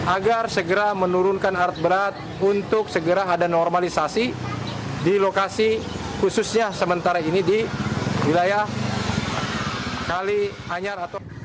agar segera menurunkan alat berat untuk segera ada normalisasi di lokasi khususnya sementara ini di wilayah kali anyar